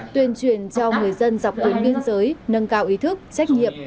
tuyên truyền cho người dân dọc tuyến biên giới nâng cao ý thức trách nhiệm